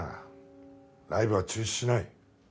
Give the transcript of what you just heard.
ライブは中止しない。